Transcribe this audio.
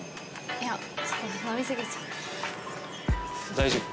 いやちょっと飲み過ぎちゃって大丈夫？